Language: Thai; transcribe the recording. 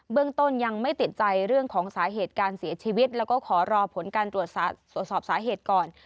เรื่องต้นยังไม่ติดใจเรื่องของสาเหตุการเสียชีวิตแล้วก็ขอรอผลการตรวจสอบสาเหตุก่อน